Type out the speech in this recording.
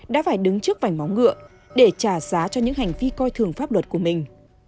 đã phải đứng trước vảnh móng ngựa để trả giá cho những hành vi coi thường pháp luật của mình